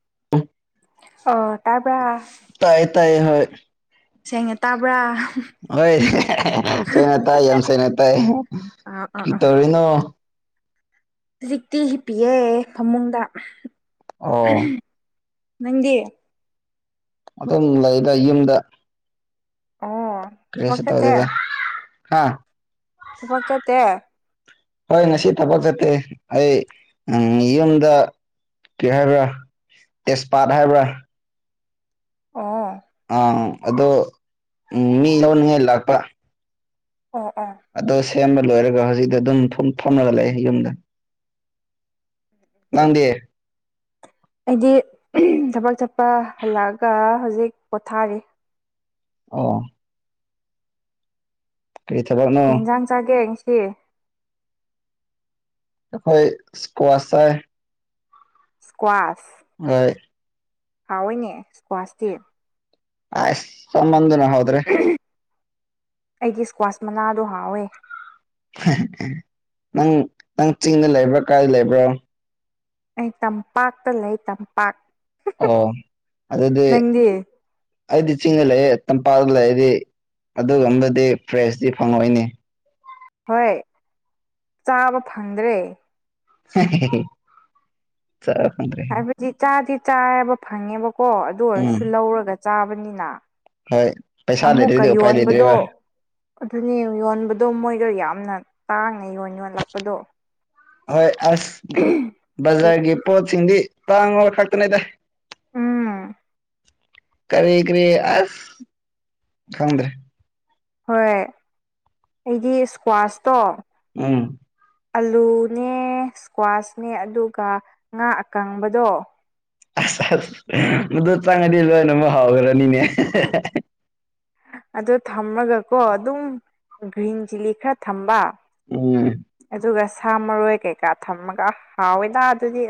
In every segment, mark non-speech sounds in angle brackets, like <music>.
<unintelligible> ꯑꫭ ꯇꯥꯕ꯭ꯔꯥ꯫ ꯇꯥꯏꯌꯦ-ꯇꯥꯏꯌꯦ ꯍꯣꯏ꯫ ꯁꯦꯡꯅ ꯇꯥꯕ꯭ꯔꯥ꯫ ꯍꯣꯏ <unintelligible> ꯁꯦꯡꯅ ꯇꯥꯏ ꯌꯥꯝ ꯁꯦꯡꯅ ꯇꯥꯏ ꯑꯥ ꯑꯥ ꯑꯥ ꯀꯩꯗꯧꯔꯤꯅꯣ꯫ ꯍꯧꯖꯤꯛꯇꯤ ꯍꯤꯞꯄꯤꯑꯦ ꯐꯃꯨꯡꯗ ꯑꯣ ꯅꯪꯗꯤ꯫ ꯑꯗꯨꯝ ꯂꯩꯗ ꯌꯨꯝꯗ꯫ ꯑꫭ꯫ ꯀ꯭ꯔꯤꯁꯨ ꯇꯧꯗꯦꯗ ꯍꯥ꯫ ꯊꯕꯛ ꯆꯠꯇꯦ꯫ ꯍꯣꯏ ꯉꯁꯤ ꯊꯕꯛ ꯆꯠꯇꯦ ꯑꯩ ꯎꯝ ꯌꯨꯝꯗ ꯀꯩ ꯍꯥꯏꯕꯔꯥ ꯇꯦꯁꯄꯥꯠ ꯍꯥꯏꯕ꯭ꯔꯥ ꯑꫭ꯫ ꯑꯥ ꯑꯗꯣ ꯃꯤ ꯂꯧꯅꯤꯡꯉꯥꯏ ꯂꯥꯛꯄ ꯑꫭ-ꯑꫭ꯫ ꯑꯗꯣ ꯁꯦꯝꯕ ꯂꯣꯏꯔꯒ ꯍꯧꯖꯤꯛꯇ ꯑꯗꯨꯝ ꯐꯝ ꯐꯝꯔꯒ ꯂꯩꯑꯦ ꯌꯨꯝꯗ꯫ ꯅꯪꯗꯤ꯫ ꯑꯩꯗꯤ ꯊꯕꯛ ꯆꯠꯄ ꯍꯜꯂꯛꯑꯒ ꯍꯧꯖꯤꯛ ꯄꯣꯊꯥꯔꯤ꯫ ꯑꯣ꯫ ꯀ꯭ꯔꯤ ꯊꯕꯛꯅꯣ꯫ ꯀꯩ ꯏꯟꯖꯥꯡ ꯆꯥꯒꯦ ꯉꯁꯤ ꯑꯩꯈꯣꯏ ꯏꯁꯀ꯭ꯋꯥꯁꯔ ꯀ꯭ꯋꯥꯥꯁ ꯍꯣꯏ ꯍꯥꯎꯋꯦꯏꯅꯦ ꯏꯁ꯭ꯀ꯭ꯋꯥꯁꯇꯤ ꯑꯁ ꯆꯥꯃꯟꯗꯅ ꯍꯥꯎꯇ꯭ꯔꯦ ꯎꯝ ꯑꯩꯗꯤ ꯏꯁꯀ꯭ꯋꯥꯁ ꯃꯅꯥꯗꯣ ꯍꯥꯎꯋꯦ ꯅꯪ ꯅꯪ ꯆꯤꯡꯗ ꯂꯩꯕꯔꯥ ꯀꯥꯏ ꯂꯩꯕꯔ ꯑꯩ ꯇꯝꯄꯥꯛꯇ ꯂꯩ ꯇꯝꯄꯥꯛ ꯑꯣ ꯑꯗꯨꯗꯤ ꯅꯪꯗꯤ ꯑꯩꯗꯤ ꯆꯤꯡꯗ ꯂꯩꯌꯦ ꯇꯝꯄꯥꯛ ꯂꯩꯔꯗꯤ ꯑꯗꯨꯒꯥꯟꯗꯗꯤ ꯐ꯭ꯔꯦꯁꯇꯤ ꯐꯪꯉꯣꯏꯅꯦ ꯍꯣꯏ ꯆꯥꯕ ꯐꯪꯗ꯭ꯔꯦ ꯆꯔ ꯐꯗ꯭ꯔꯦ ꯍꯥꯏꯕꯗꯤ ꯆꯥꯗꯤ ꯆꯥꯌꯦꯕ ꯐꯪꯉꯦꯕꯀꯣ ꯑꯗꯨ ꯎꯝ ꯑꯣꯏꯔꯁꯨ ꯂꯧꯔꯒ ꯆꯥꯕꯅꯤꯅ ꯍꯣꯏ ꯄꯩꯁꯥ ꯑꯃꯨꯛꯀ ꯂꯩꯇ꯭ꯔꯗꯤ ꯎꯄꯥꯏ ꯌꯣꯟꯕꯗꯣ ꯂꯩꯇ꯭ꯔꯦꯕ ꯑꯗꯨꯅꯤ ꯌꯣꯟꯕꯗꯣ ꯃꯣꯏꯗꯣ ꯌꯥꯝꯅ ꯇꯥꯡꯅ ꯌꯣꯟ ꯌꯣꯟꯂꯛꯄꯗꯣ ꯍꯣꯏ ꯑꯁ ꯑꯗꯨꯒꯤ ꯕꯥꯖꯥꯔꯒꯤ ꯄꯣꯠꯁꯤꯡꯗꯤ ꯇꯥꯡꯕ ꯈꯛꯇꯅꯤꯗ ꯎꯝ ꯀꯔꯤ ꯀꯔꯤ ꯑꯁ ꯈꯪꯗ꯭ꯔꯦ ꯍꯣꯏ ꯑꯩꯗꯤ ꯏꯁꯀ꯭ꯋꯥꯁꯇꯣ ꯎꯝ ꯑꯂꯨꯅꯦ ꯏꯁꯀ꯭ꯋꯥꯁꯅꯦ ꯑꯗꯨꯒ ꯉꯥ ꯑꯀꯪꯕꯗꯣ ꯑꯁ ꯑꯁ ꯃꯗꯨ ꯆꯪꯉꯗꯤ ꯂꯣꯏꯅꯃꯛ ꯍꯥꯎꯈ꯭ꯔꯅꯤꯅꯦ ꯑꯗꯨ ꯊꯝꯃꯒꯀꯣ ꯑꯗꯨꯝ ꯒ꯭ꯔꯤꯟ ꯆꯤꯂꯤ ꯈꯔ ꯊꯝꯕ ꯎꯝ ꯑꯗꯨꯒ ꯁꯥ ꯃꯔꯣꯏ ꯀꯩꯀꯥ ꯊꯝꯃꯒ ꯍꯥꯎꯋꯤꯗ ꯑꯗꯨꯗꯤ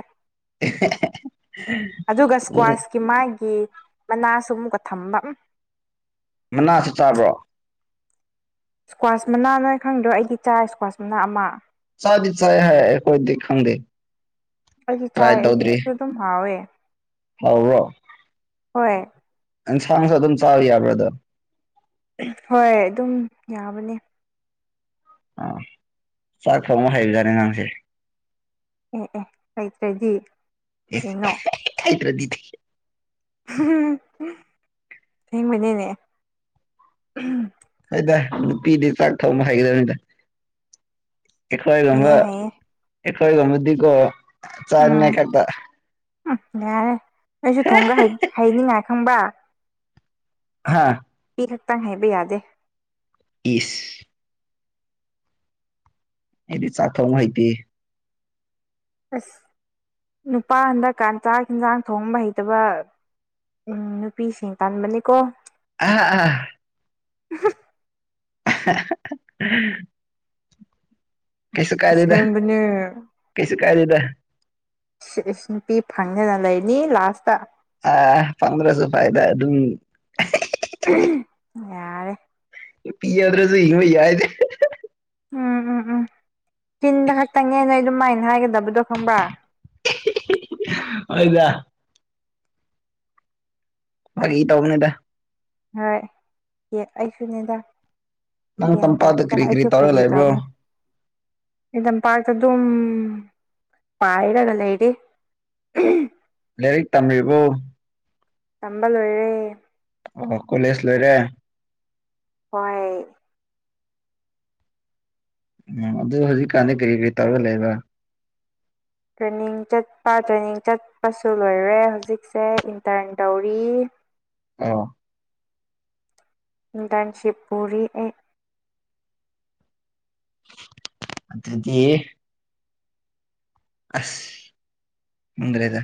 <unintelligible> ꯑꯗꯨꯒ ꯎꯝ ꯏꯁ꯭ꯀ꯭ꯋꯥꯁꯀꯤ ꯃꯥꯒꯤ ꯃꯅꯥꯁꯨ ꯑꯃꯨꯛꯀ ꯊꯝꯕ ꯃꯅꯥꯁꯨ ꯆꯥꯕ꯭ꯔꯣ ꯏꯁꯀ꯭ꯋꯥꯁ ꯃꯅꯥ ꯅꯣꯏ ꯈꯪꯗ꯭ꯔꯣ ꯑꯩꯗꯤ ꯆꯥꯏ ꯏꯁꯀ꯭ꯋꯥꯁ ꯃꯅꯥ ꯑꯃ ꯆꯗꯤ ꯆ ꯍꯥꯏꯈꯣꯏꯈꯪꯗ ꯑꯩꯗꯤ ꯆꯥꯏ ꯑꯩꯗꯤ ꯑꯗꯨ ꯑꯗꯨꯝ ꯍꯥꯎꯋꯦ ꯍꯥꯑꯣꯕꯔꯣ ꯍꯣꯏ ꯑꯟꯁꯥꯡ ꯃꯁ ꯑꯗꯨꯝ ꯆ ꯆꯥꯎꯋ ꯌꯥꯕ꯭ꯔꯥꯗ ꯍꯣꯏ ꯑꯗꯨꯝ ꯌꯥꯕꯅꯤ ꯑꯥ ꯆꯥꯛ ꯊꯣꯡꯕ ꯍꯩꯕꯖꯥꯠꯅꯤ ꯑꯥꯉꯥꯡꯁꯦ ꯑꯦ ꯑꯦ ꯍꯇ꯭ꯔꯗꯤ ꯍꯥꯏꯥꯏ꯭ꯔꯥ ꯗꯤꯗꯤ ꯊꯦꯡꯕꯅꯤꯅꯦ ꯎꯝ ꯍꯥꯏꯗ ꯅꯨꯄꯤꯗꯤ ꯆꯥꯛ ꯊꯣꯡꯕ ꯍꯥꯏꯩꯒꯗꯕꯅꯤꯗ ꯍꯩꯌꯦ ꯍꯩꯌꯦ ꯑꯩꯈꯣꯏꯕꯒ ꯒ ꯃꯨꯗꯤꯀꯣ ꯆꯥꯅꯦ ꯎꯝ ꯀꯇꯥ ꯎꯝ ꯌꯥꯔꯦ ꯅꯁꯨ ꯊꯣꯡꯒ ꯍꯩꯅꯤꯡꯉꯥꯏ ꯈꯪꯕ ꯍꯥꯥ ꯄ ꯈꯛꯇꯪ ꯍꯥꯏꯕ ꯌꯥꯗꯦ ꯏꯁ ꯑꯩꯗꯤ ꯆꯥꯛ ꯊꯣꯡ ꯍꯩꯇꯦ ꯑꯁ ꯅꯨꯄꯥ ꯍꯟꯗꯛꯀꯥꯟ ꯆꯥꯛ ꯌꯦꯤꯟꯖꯥꯡ ꯊꯣꯡꯕ ꯍꯩꯇꯕ ꯎꯝ ꯅꯨꯄꯤꯁꯤꯡ ꯇꯥꯟꯕꯅꯤꯀꯣ ꯑ ꯑꯥ ꯎ <unintelligible> ꯀꯩꯁꯨ ꯀꯥꯏꯗꯦꯗ ꯑꯁꯦꯡꯕꯅꯦ ꯀꯩꯁꯨ ꯀꯥꯏꯗꯦꯗ ꯁꯤ ꯏꯁ ꯅꯨꯄꯤ ꯐꯪꯗꯅ ꯂꯩꯅꯤ ꯂꯥꯁꯇ ꯑ ꯄꯗ꯭ꯔꯁꯨ ꯐꯥꯏꯗ ꯑꯗꯨꯝ ꯎꯝ ꯌꯥꯔꯦ ꯄꯤꯗ꯭ꯔꯁꯨ ꯏ ꯌꯥ ꯍꯥꯏꯗꯦ ꯎꯝ ꯎꯝ ꯎꯝ ꯇꯤꯟꯗ ꯈꯛꯇꯪꯅꯦ ꯅ ꯑꯗꯨꯃꯥꯏꯅ ꯍꯥꯏꯒꯗꯕꯗꯣ ꯈꯪꯕ꯭ꯔꯥ ꯍꯣꯏꯗ ꯃꯥ ꯏ ꯇꯒꯅꯦꯗ ꯍꯣꯏ ꯌꯦ ꯑꯩꯁꯨꯅꯤꯗ ꯅꯪ ꯇꯝꯄꯥꯛꯗꯨ ꯀꯔꯤ ꯀꯔꯤ ꯇꯧꯔꯒ ꯂꯩꯕ꯭ꯔꯣ ꯂꯝꯝꯄꯥꯛꯇ ꯑꯗꯨꯝ ꯄꯥꯏꯔꯒ ꯂꯩꯔꯦ ꯂꯥꯏꯔꯤꯛ ꯇꯝꯃꯤꯕ ꯇꯝꯕ ꯂꯣꯏꯔꯦ ꯑꯣ ꯀꯣꯂꯦꯖ ꯂꯣꯏꯔꯦ ꯍꯣꯏ ꯎꯝ ꯑꯗꯨꯣ ꯍꯧꯖꯤꯛꯀꯥꯟꯗꯤ ꯀꯔꯤ ꯀꯔꯤ ꯇꯧꯔꯒ ꯂꯩꯕ ꯇ꯭ꯔꯦꯅꯤꯡ ꯆꯠꯄ ꯇ꯭ꯔꯦꯅꯤꯡ ꯆꯠꯄꯁꯨ ꯂꯣꯏꯔꯦ ꯍꯧꯖꯤꯛꯁꯦ ꯏꯟꯇꯔꯟ ꯇꯧꯔꯤ ꯑꯣ ꯟ ꯇꯔꯟꯁꯤꯞ ꯄꯨꯔꯤ ꯑꯩ ꯌꯤ ꯑꯁ ꯃꯗꯔꯦꯗ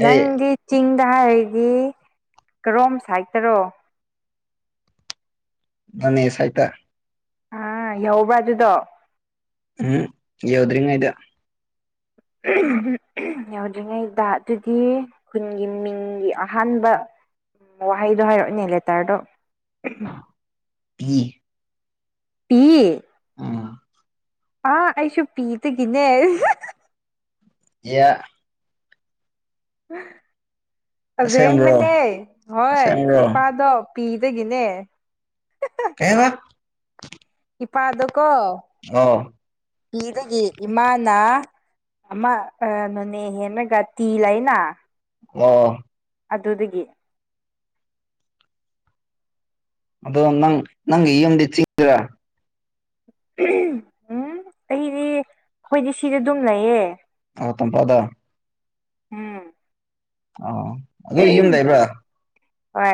ꯑꯩ ꯅꯪꯒꯤ ꯆꯤꯡꯗ ꯍꯥꯏꯔꯗꯤ ꯀꯔꯣꯝ ꯁꯥꯏꯠꯇꯔꯣ ꯅꯅꯦ ꯌꯦꯁꯥꯏꯇ ꯑ ꯌꯧꯕꯔ ꯑꯗꯨꯗꯣ ꯎꯝ ꯌꯎꯗ꯭ꯔꯔꯤꯉꯥꯏꯗ <unintelligible> ꯌꯥꯎꯗ꯭ꯔꯤꯉꯩꯗ ꯑꯗꯨꯗꯤ ꯈꯨꯟꯒꯤ ꯃꯤꯡꯒꯤ ꯑꯍꯥꯟꯕ ꯎꯝ ꯋꯥꯍꯩꯗꯣ ꯍꯥꯏꯔꯛꯅꯦ ꯂꯦꯇꯔꯗꯣ ꯃꯤ ꯇꯤ ꯑ ꯑꯥ ꯑꯩꯁꯨ ꯄꯤꯗꯨꯒꯤꯅꯦ ꯏ ꯑꯁꯦꯡ ꯑꯁꯦꯡꯕ꯭ꯔꯣ ꯕꯅꯦ ꯍꯣꯏ ꯑꯁꯦꯡꯕ꯭ꯔꯣ ꯏꯄꯥꯗ ꯄꯤꯗꯒꯤꯅꯦ ꯀ ꯏꯄꯥ ꯑꯗꯨꯀꯣ ꯑ ꯄꯤꯗꯒꯤ ꯏꯃꯥꯅ ꯑꯃ ꯅꯣꯅꯤ ꯒꯤ ꯒꯥꯇꯤ ꯂꯩꯅ <inaudible> ꯑꯗꯨꯗꯒꯤ ꯑꯗꯣ ꯅꯪ ꯅꯪ ꯌꯨꯝꯗꯤ ꯆꯤꯗ꯭ꯔ ꯎꯝ ꯑꯩꯗꯤ ꯑꯩꯈꯣꯏꯗꯤ ꯁꯤꯗ ꯗꯨꯝ ꯂꯩꯌꯦ ꯑꯥꯎ ꯇꯝꯄꯗ ꯎꯝ ꯑ ꯑꯗꯨ ꯌꯨꯝ ꯂꯩꯕ꯭ꯔ ꯍꯣꯏ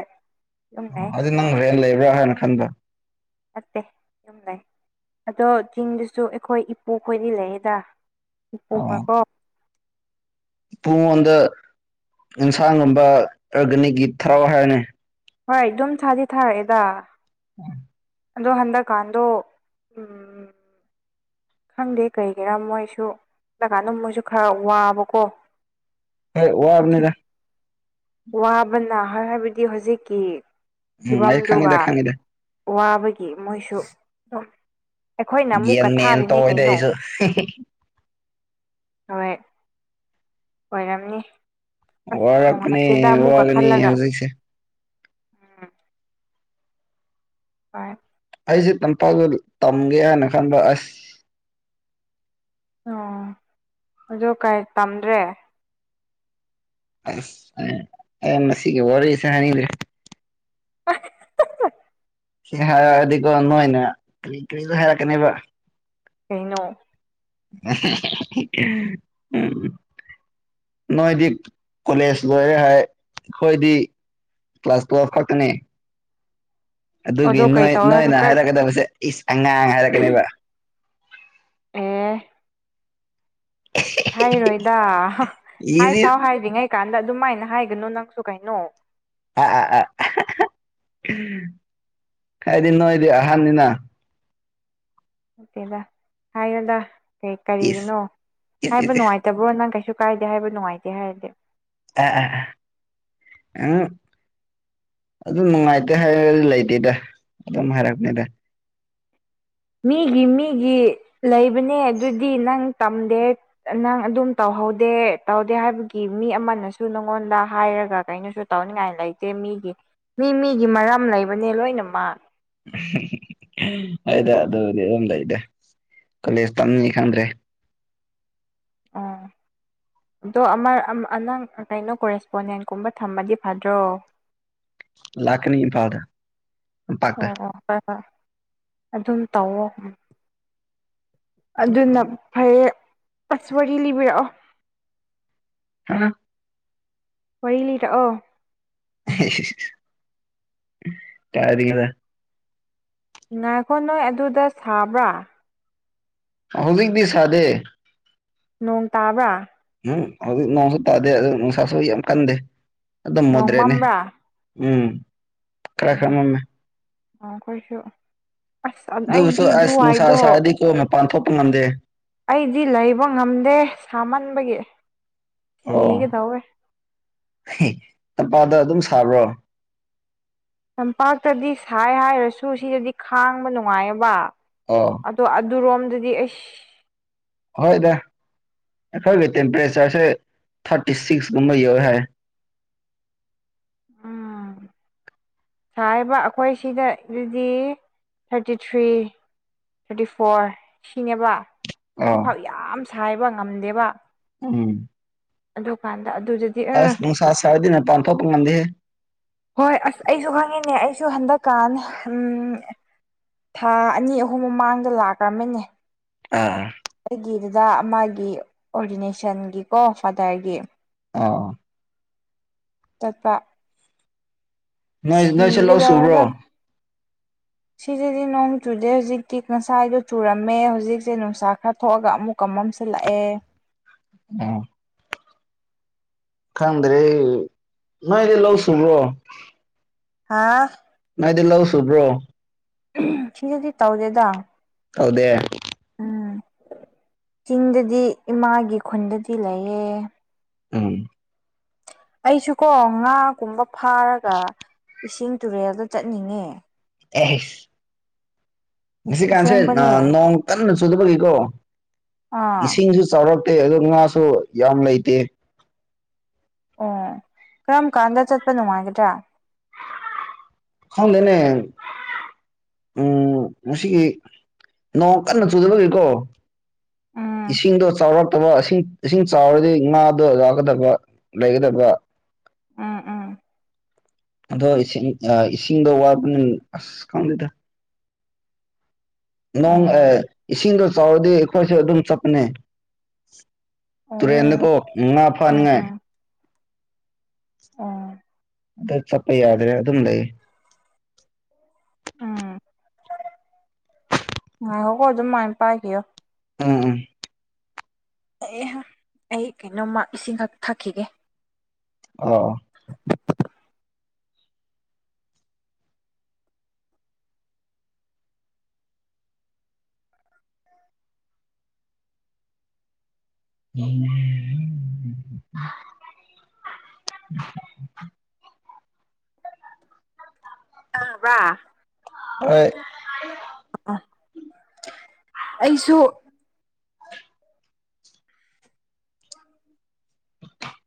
ꯑꯗꯨꯝ ꯑꯣ ꯂꯩ ꯑꯗꯨꯗꯤ ꯅꯪ ꯍꯦꯟ ꯂꯩꯕ꯭ꯔꯥ ꯍꯥꯏꯅ ꯈꯟꯕ꯭ꯔ ꯅꯠꯇꯦ ꯌꯨꯝ ꯂꯩ ꯑꯗꯣ ꯆꯤꯡꯗꯁꯨ ꯑꯩꯈꯣꯏ ꯏꯄꯨ ꯈꯣꯏꯗꯤ ꯂꯩꯌꯦꯗ <unintelligible> ꯄꯨꯨ ꯃꯉꯣꯟꯗ ꯏꯟꯁꯥꯡꯒꯨꯝꯕ ꯑꯣꯔꯒꯥꯅꯤꯛꯀꯤ ꯊꯔꯛꯑꯣ ꯍꯥꯏꯌꯨꯅ‌ꯦ ꯍꯣꯏ ꯑꯗꯨꯝ ꯊꯥꯗꯤ ꯊꯥꯔꯛꯑꯦꯗ ꯎꯝ ꯑꯗꯣ ꯍꯟꯗꯛ ꯀꯟꯗꯣ ꯎꯝ ꯈꯪꯗꯦ ꯀꯩꯒꯤꯔꯥ ꯃꯣꯏꯁꯨ ꯍꯟꯗꯛ ꯀꯥꯟꯗ ꯃꯣꯏꯁꯨ ꯈꯔ ꯋꯥꯕꯀꯣ ꯍꯣꯏ ꯋꯥꯕꯅꯤꯗ ꯑꯗꯨꯒꯤ ꯋꯥꯕꯅ ꯍꯥꯏꯕꯗꯤ ꯍꯧꯖꯤꯛꯀꯤ ꯎꯝ ꯑꯩ ꯐꯤꯕꯝꯗꯨꯒ ꯈꯪꯉꯤꯗ ꯈꯪꯉꯤꯗ ꯋꯥꯕꯒꯤ ꯃꯣꯏꯁꯨ ꯑꯗꯨꯝ ꯑꯩꯈꯣꯏꯅ ꯑꯃꯨꯛꯀ ꯒꯦꯡ ꯃꯦꯟ ꯊꯥꯔꯤꯅꯦ ꯇ‌ꯧꯏꯗ ꯀꯩꯅꯣ ꯑꯩꯁꯨ ꯍꯣꯏ ꯑꯣꯏꯔꯝꯅꯤ ꯑꯁ ꯅꯨꯡꯉꯥꯏꯇꯦꯗ ꯋꯥꯔꯛꯄꯅꯦ ꯑꯃꯨꯛꯀ ꯋꯥꯒꯅꯤ ꯈꯜꯂꯒ ꯍꯧꯖꯤꯛꯁꯦ ꯎꯝ ꯍ‌ꯣꯏ ꯑꯩꯁꯦ ꯇꯝꯄꯥꯛꯇꯗꯤ ꯇꯝꯒꯦ ꯍꯥꯏꯅ ꯈꯟꯕ ꯑꯁ ꯑꯣ ꯑꯗ‌ꯣ ꯀꯔꯤ ꯇꯝꯗ꯭ꯔꯦ ꯑꯁ ꯑꯩ ꯑꯩ ꯃꯁꯤꯒꯤ ꯋꯥꯔꯤꯁ‌ꯦ ꯍꯥꯏꯅꯤꯡꯗ꯭ꯔꯦ <unintelligible> ꯁꯤ ꯍꯥꯏꯔꯛ ꯑꯗꯤꯀꯣ ꯅꯣꯏꯅ ꯀꯔꯤ ꯀꯔꯤꯔ ꯍꯥꯏꯔꯛꯀꯅꯤꯕ ꯀꯩꯅꯣ <unintelligible> ꯅꯣꯏꯗꯤ ꯀꯣꯂꯦꯖ ꯂꯣꯏꯔꯦ ꯍꯥꯏ ꯑꯩꯈꯣꯏꯗꯤ ꯀ꯭ꯂꯥꯁ ꯇꯨꯌꯦꯜꯄ ꯈꯛꯇꯅꯦ ꯑꯗꯨꯒꯤ ꯑꯗꯣ ꯀꯩ ꯅꯣꯏ ꯇꯧꯋꯦ ꯍꯥꯏꯅꯣ ꯅꯣꯏꯅ ꯀꯛ ꯍꯥꯏꯔꯛꯀꯗꯕꯁꯦ ꯏꯁ ꯑꯉꯥꯡ ꯍꯥꯏꯔꯛꯀꯅꯦꯕ ꯑꯦ <unintelligible> ꯍꯥꯏꯔꯣꯏꯗ ꯏꯁ ꯏꯁ ꯍꯥꯏꯐꯥꯎ ꯍꯥꯏꯗꯤꯉꯩ ꯀꯥꯟꯗ ꯑꯗꯨꯃꯥꯏꯅ ꯍꯥꯏꯒꯅꯨ ꯅꯪꯁꯨ ꯀꯩꯅꯣ ꯍꯥꯏꯗꯤ ꯅꯣꯏꯗꯤ ꯑꯍꯟꯅꯤꯅ ꯀꯥꯏꯗ‌ꯦꯗ ꯍꯥꯏꯌꯣꯗ ꯀꯩ ꯏꯁ ꯀꯔꯤꯒꯤꯅꯣ ꯏꯁ ꯍꯥꯏꯕ ꯏꯁ ꯏꯁ ꯅꯨꯡꯉꯥꯏ ꯇꯕ꯭ꯔꯣ ꯅꯪ ꯀꯩꯁꯨ ꯀꯥꯏꯗꯦ ꯍꯥꯏꯕ ꯅꯨꯡꯉꯥꯏꯇꯦ ꯍꯥꯏꯔꯗꯤ <unintelligible> ꯑꯗꯨ ꯅꯨꯡꯉꯥꯏꯇꯦ ꯍꯥꯏꯔꯁꯨ ꯂꯩꯇꯦꯗ ꯑꯗꯨꯝ ꯍꯥꯏꯔꯛꯄꯅꯤꯗ ꯃꯤꯒꯤ ꯃꯤꯒꯤ ꯂꯩꯕꯅꯦ ꯑꯗꯨꯗꯤ ꯅꯪ ꯇꯝꯗꯦ ꯅꯪ ꯑꯗꯨꯝ ꯇꯧꯍꯧꯗꯦ ꯇꯧꯗꯦ ꯍꯥꯏꯕꯒꯤ ꯃꯤ ꯑꯃꯅꯁꯨ ꯅꯪꯉꯣꯟꯗ ꯍꯥꯏꯔꯒ ꯀꯩꯅꯣꯁꯨ ꯇꯧꯅꯤꯡꯉꯥꯏ ꯂꯩꯇꯦ ꯃꯤꯒꯤ ꯃꯤ ꯃꯤꯒꯤ ꯃꯔꯝ ꯂꯩꯕꯅꯦ ꯂꯣꯏꯅꯃꯛ ꯍ‌ꯣꯏꯗ ꯑꯗꯨꯕꯨꯗꯤ ꯑꯗꯨꯝ ꯂꯩꯗ ꯀꯣꯂꯦꯖ ꯇꯝꯅꯤ ꯈꯟꯗ꯭ꯔꯦ ꯑꯣ ꯑꯗꯣ ꯑꯃ ꯑ ꯅꯪ ꯀꯩꯅꯣ ꯀꯣꯔꯦꯁꯄꯣꯟꯗꯦꯟꯒꯨꯝꯕ ꯊꯝꯃꯗꯤ ꯐꯗ꯭ꯔꯣ ꯂꯥꯛꯀꯅꯤ ꯏꯝꯐꯥꯜꯗ ꯇꯝꯄꯥꯛꯇ ꯑꯣ ꯑꯣ ꯐꯔꯦ ꯑꯗꯨꯝ ꯇꯧꯋꯣ ꯎꯝ ꯑꯗꯨꯅ ꯐꯩꯔꯦ ꯑꯁ ꯋꯥꯔꯤ ꯂꯤꯕꯤꯔꯛꯑꯣ <unintelligible> ꯋꯥꯔꯤ ꯂꯤꯔꯛꯑꯣ ꯀꯔꯤꯔ ꯉꯥꯏꯈꯣ ꯅꯣꯏ ꯑꯗꯨꯗ ꯁꯥꯕ꯭ꯔꯥ ꯍꯧꯖꯤꯛꯗꯤ ꯁꯥꯗꯦ ꯅꯣꯡ ꯇꯥꯕ꯭ꯔꯥ ꯅꯨ ꯍꯧꯖꯤꯛ ꯅꯣꯡꯁꯨ ꯇꯥꯗꯦ ꯑꯗꯨ ꯅꯨꯡꯁꯥꯁꯨ ꯌꯥꯝ ꯀꯟꯗꯦ ꯑꯗꯨꯝ ꯅꯣꯡ ꯃꫭꯗ꯭ꯔꯦꯠꯅꯦ ꯃꯝꯕ꯭ꯔꯥ ꯎꯝ ꯈꯔ ꯈꯔ ꯃꯝꯃꯦ ꯑꯣ ꯑꯈꯣꯏꯁꯨ ꯑꯁ ꯑꯗꯨꯕꯨꯁꯨ ꯑꯩꯗꯤ ꯑꯁ ꯅꯨꯡꯁꯥ ꯑꯗꯨꯋꯥꯏꯗꯣ ꯁꯥꯔꯗꯤꯀꯣ ꯃꯄꯥꯟ ꯊꯣꯛꯄ ꯉꯝꯗꯦ ꯑꯩꯗꯤ ꯂꯩꯕ ꯉꯝꯗꯦ ꯁꯥꯃꯟꯕꯒꯤ ꯁꯤꯒꯦꯇꯧꯋꯦ ꯇꯝꯄꯥꯛꯇꯥ ꯑꯗꯨꯝ ꯁꯥꯕ꯭ꯔꯣ ꯇꯝꯄꯥꯛꯇꯗꯤ ꯁꯥꯏ ꯍꯥꯏꯔꯁꯨ ꯁꯤꯗꯗꯤ ꯈꯥꯡꯕ ꯅꯨꯡꯉꯥꯏꯑꯕ ꯑꯣ ꯑꯗꯣ ꯑꯗꯨꯔꯣꯝꯗꯗꯤ ꯑꯩꯁ ꯍꯣꯏꯗ ꯑꯩꯈꯣꯏꯒꯤ ꯇꯦꯝꯄꯔꯦꯆꯔꯁꯦ ꯊꯥꯔꯇꯤ ꯁꯤꯛꯁꯀꯨꯝꯕ ꯌꯧꯔꯦ ꯍꯥꯏ ꯎꯝ ꯁꯥꯔꯤꯕ ꯑꯩꯈꯣꯏ ꯁꯤꯗ ꯑꯗꯨꯗꯤ ꯊꯥꯔꯇꯤ ꯊ꯭ꯔꯤ ꯊꯥꯔꯇꯤ ꯐꯣꯔ ꯁꯤꯅꯦꯕ ꯑꯥ ꯁꯤꯐꯥꯎ ꯌꯥꯝ ꯁꯥꯏꯕ ꯉꯝꯗꯦꯕ ꯎꯝ ꯑꯗꯨꯀꯥꯟꯗ ꯑꯗꯨꯗꯨ ꯑꯁ ꯅꯨꯡꯁ ꯁꯔꯦꯗꯤ ꯃꯄꯥꯟꯊꯣꯛꯄ ꯉꯝꯗꯦꯍꯦ ꯍꯣꯏ ꯑꯁ ꯑꯩꯁꯨ ꯈꯪꯉꯤꯅꯦ ꯑꯩꯁꯨ ꯍꯟꯗꯛꯀꯥꯟ ꯎꯝ ꯊꯥ ꯑꯅꯤ ꯑꯍꯨꯝ ꯃꯃꯥꯡꯗ ꯂꯥꯛꯔꯝꯃꯅꯤ ꯑꯥ ꯑꯩꯒꯤ ꯗꯗꯥ ꯑꯃꯥꯒꯤ ꯑꯣꯔꯗꯤꯅꯦꯁꯟꯒꯤꯀꯣ ꯐꯥꯗꯔꯒꯤ ꯑꯣ ꯆꯠꯄ ꯅꯣꯏ ꯅꯣꯏꯁꯦ ꯁꯤꯒꯦ ꯂꯧ ꯁꯨꯕ꯭ꯔꯣ ꯇꯧꯋꯦꯗ ꯁꯤꯗꯗꯤ ꯅꯣꯡ ꯆꯨꯗꯦ ꯍꯧꯖꯤꯛ ꯇꯤ ꯉꯁꯥꯏꯗꯣ ꯆꯨꯔꯝꯃꯦ ꯍꯧꯖꯤꯛꯁꯦ ꯅꯨꯡꯁꯥ ꯈꯔ ꯊꯣꯛꯑꯒ ꯑꯃꯨꯛ ꯀ ꯃꯝꯁꯤꯂꯥꯛ ꯑꯦ ꯎ ꯈꯪꯗ꯭ꯔꯦ ꯅꯣꯏꯗꯤ ꯂꯧ ꯁꯨꯕ꯭ꯔꯣ ꯍꯥꯥ ꯅꯣꯏꯗ ꯂꯧ ꯁꯨꯕ꯭ꯔꯣ ꯎ ꯁꯤꯗꯗꯤ ꯇꯧꯗꯦꯗ ꯇꯧꯗꯦ ꯎꯝ ꯆꯤꯡꯗꯗꯤ ꯏꯃꯥꯒꯤ ꯈꯨꯟꯗꯗꯤ ꯂꯩꯌꯦ ꯎꯝ ꯑꯩꯁꯨꯀꯣ ꯉꯥꯒꯨꯝꯕ ꯐꯥꯔꯒ ꯏꯁꯤꯡ ꯇꯨꯔꯦꯜꯗ ꯆꯠꯅꯤꯡꯉꯦ ꯑꯦꯍꯁ ꯉꯁꯤ ꯀꯥꯟꯁꯦ ꯑꯁꯦꯡꯕꯅꯦ ꯅꯣꯡ ꯀꯟꯅ ꯆꯨꯗꯕꯒꯤꯀꯣ ꯑꯥ ꯏꯁꯤꯡꯁꯨ ꯆꯥꯎꯔ ꯇꯦ ꯑꯗꯨ ꯉꯥꯁꯨ ꯌꯥꯝ ꯂꯩꯇꯦ ꯑꯣ ꯀꯔꯝ ꯀꯥꯟꯗ ꯆꯠꯄ ꯅꯨꯡꯉꯥꯏꯒꯗ꯭ꯔꯥ ꯈꯪꯗꯦꯅꯦ ꯎꯝ ꯉꯁꯤꯒꯤ ꯅꯣꯡ ꯀꯟꯅ ꯆꯨꯗꯕꯒꯤꯀꯣ ꯎꯝ ꯏꯁꯤꯡꯗꯣ ꯆꯥꯎꯔꯛꯇꯕ ꯏꯁꯤꯡ ꯏꯁꯤꯡ ꯆꯥꯎꯔꯗꯤ ꯉꯥꯗꯣ ꯂꯥꯛꯀꯗꯕ ꯂꯩꯒꯗꯕ ꯎꯝ ꯎꯝ ꯑꯗꯣ ꯏꯁꯤꯡ ꯏꯁꯤꯡꯗꯣ ꯋꯥꯠꯄꯅꯤ ꯑꯁ ꯈꯪꯗꯦꯗꯥ ꯅꯣꯡ ꯎꯝ ꯑꯦ ꯏꯁꯤꯡꯗꯣ ꯆꯥꯎꯔꯗꯤ ꯑꯩꯈꯣꯏꯁꯨ ꯑꯗꯨꯝ ꯆꯠꯄꯅꯦ ꯎꯝ ꯇꯨꯔꯦꯟꯗꯀꯣ ꯉꯥ ꯎꯝ ꯐꯥꯅꯤꯡꯉꯥꯏ ꯎꯝ ꯎꯝ ꯍꯟꯇꯛ ꯆꯠꯄ ꯌꯥꯗ꯭ꯔꯦ ꯑꯗꯨꯝ ꯂꯩ ꯉꯥꯏꯈꫭꯀꫭ ꯑꯗꯨꯝ ꯃꯥꯏ ꯄꯥꯏꯄꯤꯌꫭ ꯎꯝ ꯎꯝ ꯍꯩꯍꯥ ꯑꯩ ꯀꯩꯅꯣꯝꯃ ꯏꯁꯤꯡꯈꯛ ꯊꯛꯈꯤꯒꯦ ꯑꯣ <inaudible> ꯎꯝ <inaudible> ꯇꯥꯕꯔꯥ ꯍꯣꯏ ꯎꯝ <inaudible> ꯑ ꯑꯩꯁꯨ ꯑꯧ <inaudible>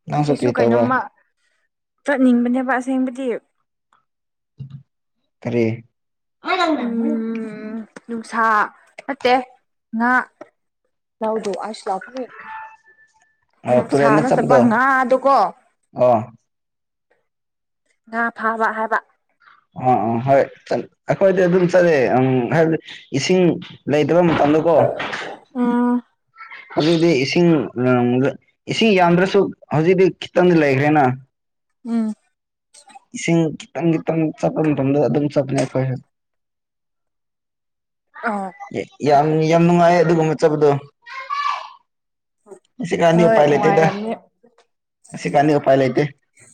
ꯅꯪꯁꯨ ꯑꯩꯁꯨ ꯀꯔꯤ ꯇꯧꯕ ꯀꯩꯅꯣꯝꯃ ꯆꯠꯅꯤꯡꯕꯅꯦꯕ ꯑꯁꯦꯡꯕꯗꯤ ꯀ꯭ꯔꯤ ꯎꯝ ꯅꯨꯡꯁꯥ ꯅꯠꯇꯦ ꯉꯥ ꯍ ꯑꯁ <inaudible> ꯑꯣ ꯅꯨꯡꯁꯥ ꯇꯨꯔꯦꯟꯗ ꯅꯠꯇꯕ ꯆꯠꯄꯗꯣ ꯉꯥꯗꫭꯀꯣ ꯑꯣ ꯉꯥ ꯐꯥꯕ ꯍꯥꯏꯕ ꯑꯥ ꯑ ꯍꯣꯏ ꯆꯠ ꯑꯩꯈꯣꯏꯗꯤ ꯑꯗꯨꯝ ꯆꯠꯂꯦ ꯎꯝ ꯍꯥꯏꯕꯗꯤ ꯏꯁꯤꯡ ꯂꯩꯇꯕ ꯃꯇꯝꯇꯗꯀꯣ ꯎꯝ ꯑꯗꯨꯗꯤ ꯏꯁꯤꯡ ꯏꯁꯤꯡ ꯌꯥꯝꯗ꯭ꯔꯁꯨ ꯍꯧꯖꯤꯛꯇꯤ ꯈꯤꯇꯪꯗꯤ ꯂꯩꯈ꯭ꯔꯦꯅ ꯎꯝ ꯏꯁꯤꯡ ꯈꯤꯇꯪ ꯈꯤꯇꯪ ꯆꯠꯄ ꯃꯇꯝꯗ ꯑꯗꯨꯝ ꯆꯠꯄꯅꯦ ꯑꯩꯈꯣꯏꯁꯨ ꯑꯥ ꯌꯦ ꯌꯥꯝ ꯌꯥꯝ ꯅꯨꯡꯉꯥꯏ ꯑꯗꯨꯒꯨꯝꯕ ꯆꯠꯄꯗꯣ ꯍꯨꯁꯤ ꯀꯥꯟꯗꯤ ꯍꯣꯏ ꯎꯄꯥꯏ ꯂꯩꯇꯦꯗ ꯅꯨꯡꯉꯥꯏꯔꯝꯅꯤ ꯎꯁꯤꯀꯥꯟꯗꯤ ꯎꯄꯥꯏ ꯂꯩꯇꯦ